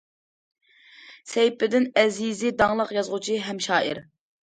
سەيپىدىن ئەزىزى داڭلىق يازغۇچى ھەم شائىر.